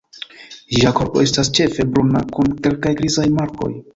Ĝia korpo estas ĉefe bruna kun kelkaj grizaj markoj.